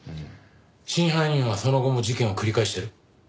真犯人はその後も事件を繰り返してる。